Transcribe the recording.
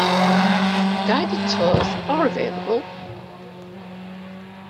Guided tours are available.